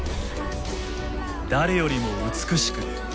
誰よりも美しく。